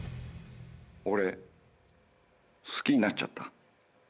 俺好きになっちゃった。